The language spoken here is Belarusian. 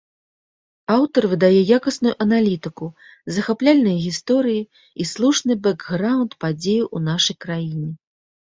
Аўтар выдае якасную аналітыку, захапляльныя гісторыі і слушны бэкграўнд падзеяў у нашай краіне.